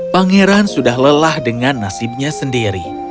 pangeran sudah lelah dengan nasibnya sendiri